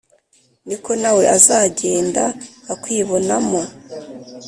niko nawe azagenda akwibonamo